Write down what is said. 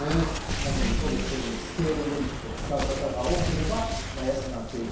何でもそうですがスケールメリット使う方が多くなれば安くなっていく。